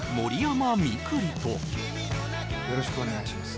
よろしくお願いします